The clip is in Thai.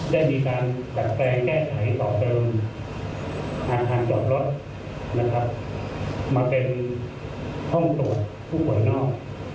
ได้มีการดัดแปลงแก้ไขต่อเติมทางจอดรถนะครับมาเป็นห้องตรวจผู้ป่วยนอก